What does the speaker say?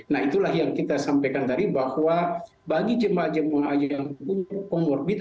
nah itulah yang kita sampaikan tadi bahwa bagi jemaah jemaah yang punya comorbid